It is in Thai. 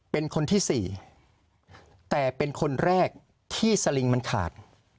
เป็นคนที่สี่แต่เป็นคนแรกที่สลิงมันขาด